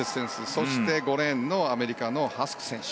そして５レーンのアメリカのハスク選手。